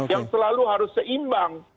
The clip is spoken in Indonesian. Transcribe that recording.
yang selalu harus seimbang